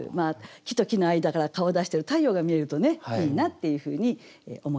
木と木の間から顔を出してる太陽が見えるとねいいなっていうふうに思います。